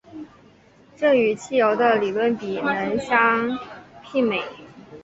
这与汽油的理论比能相媲美。